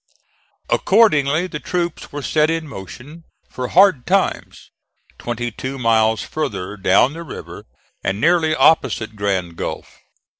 Accordingly the troops were set in motion for Hard Times, twenty two miles farther down the river and nearly opposite Grand Gulf.